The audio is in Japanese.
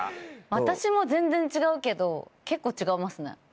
私も全然違うけど結構違いますね。